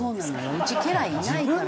うち家来いないから。